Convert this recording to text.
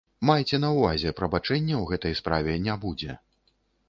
Майце на ўвазе, прабачэння ў гэтай справе не будзе.